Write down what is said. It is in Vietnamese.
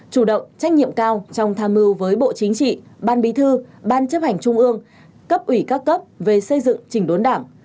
chủ động trách nhiệm cao trong tham mưu với bộ chính trị ban bí thư ban chấp hành trung ương cấp ủy các cấp về xây dựng chỉnh đốn đảng